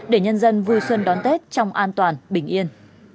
để nhân dân vui xuân đón tết trong an toàn bình yên